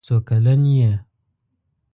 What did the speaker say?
څو کلن یې.